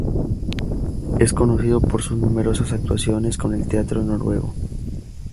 Es conocido por sus numerosas actuaciones con el Teatro Noruego.